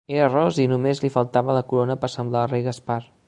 Era ros i només li faltava la corona per semblar el rei Gaspar.